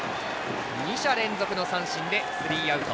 ２者連続の三振でスリーアウト。